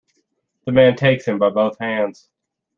The man takes him by both hands.